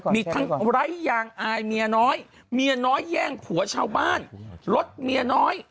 มีทั้งไร้ยางอายเมียน้อยเมียน้อยแย่งผัวชาวบ้านลดเมียน้อย